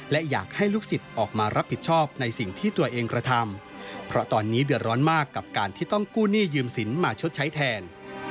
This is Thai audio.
และอยากให้ลูกศิษย์ออกมารับผิดชอบในสิ่งที่ตัวเองกระทำเพราะตอนนี้เดือดร้อนมากกับการที่ต้องกู้หนี้ยืมสินมาชดใช้แทน